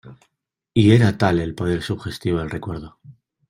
y era tal el poder sugestivo del recuerdo